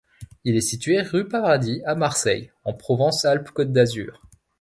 Il est situé rue Paradis, à Marseille, en Provence-Alpes-Côte d'Azur.